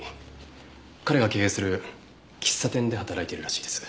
彼が経営する喫茶店で働いているらしいです。